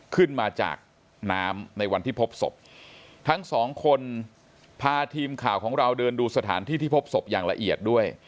ขึ้นมาจากน้ำในวันที่พบศพทั้งสองคนพาทีมข่าวของเราเดินดูสถานที่ที่พบศพอย่างละเอียดด้วย